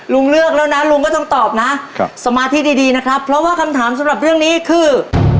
ลุงเลือกแล้วนะลุงก็ต้องตอบนะสมาธิดีนะครับเพราะว่าคำถามสำหรับเรื่องนี้คือ